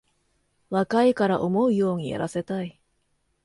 若いから思うようにやらせたい